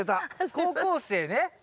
高校生ね。